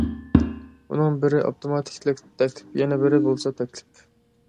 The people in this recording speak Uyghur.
ئۇنىڭ بىرى ئاپتوماتىك تەكلىپ، يەنە بىرى بولسا تەكلىپ.